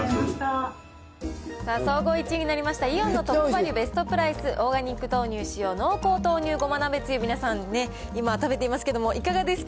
総合１位になりました、イオンのトップバリュベストプライスオーガニック豆乳使用の濃厚豆乳ごま鍋つゆ、皆さん、今、食べていますけれども、いかがですか？